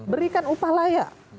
berikan upah layak